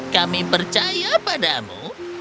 kami percaya padamu